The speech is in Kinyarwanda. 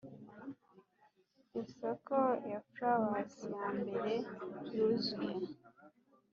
isoko ya flavours yambere yuzuye.